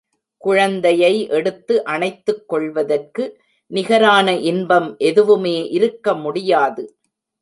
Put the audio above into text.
குழந்தையை எடுத்து அணைத்துக் கொள்வதற்கு நிகரான இன்பம் எதுவுமே இருக்க முடியாது.